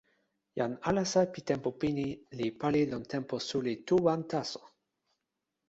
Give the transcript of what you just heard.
jan alasa pi tenpo pini li pali lon tenpo suli tu wan taso.